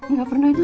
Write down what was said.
nggak pernah juga